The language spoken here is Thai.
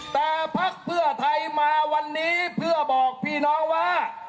แต่พักเพื่อไทยมาวันนี้เพื่อบอกพี่น้องว่า